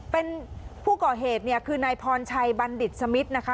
เป็นผู้ก่อเหตุเนี่ยคือนายพรชัยบัณฑิตสมิทนะคะ